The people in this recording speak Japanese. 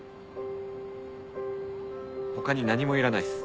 他に何もいらないっす。